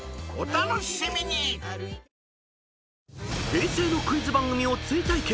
［平成のクイズ番組を追体験。